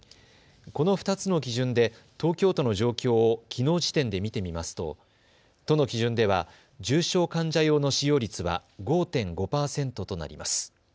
この２つの基準で東京都の状況をきのう時点で見てみますと都の基準では重症患者用の使用率は５．５％となります。